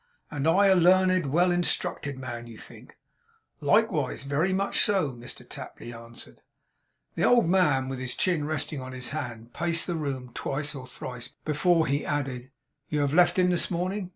'And I a learned, well instructed man, you think?' 'Likewise wery much so,' Mr Tapley answered. The old man, with his chin resting on his hand, paced the room twice or thrice before he added: 'You have left him this morning?